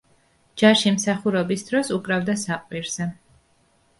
ჯარში მსახურობის დროს უკრავდა საყვირზე.